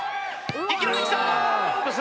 いきなりきた！